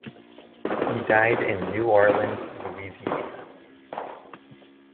He died in New Orleans, Louisiana.